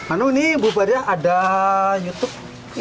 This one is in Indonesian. anu ini bu baria ada youtube